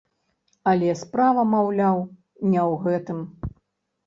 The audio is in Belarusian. Але справа, маўляў, не ў гэтым.